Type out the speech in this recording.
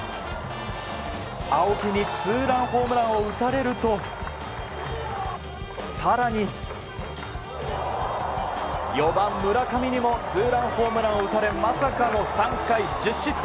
青木にツーランホームランを打たれると更に４番、村上にもツーランホームランを打たれまさかの３回１０失点。